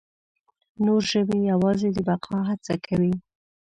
نور ژوي یواځې د بقا هڅه کوي.